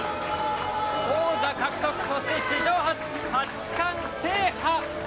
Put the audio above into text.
王座獲得そして、史上初八冠制覇。